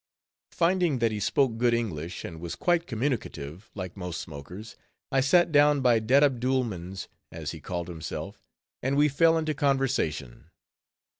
Finding that he spoke good English, and was quite communicative, like most smokers, I sat down by Dattabdool mans, as he called himself, and we fell into conversation.